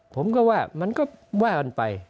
ผมก็ว่ามันก็ว่ากันไป